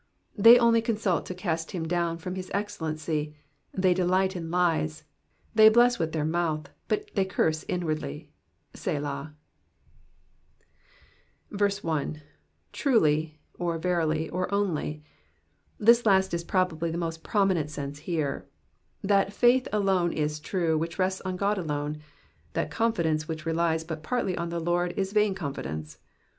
4 They only consult to cast him down from his excellency : they delight in lies: they bless with their mouth, but they curse inwardly. Selah. 1. rrwZy," or verily, or only. The last is probably the most prominent sense here. That faith alone is true which rests on God alone, that confidence which relies but partly on the Lord is vain confidence.